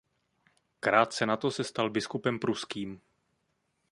Krátce na to se stal biskupem pruským.